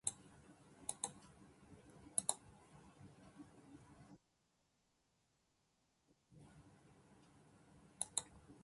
陽射しが春めいてまいりました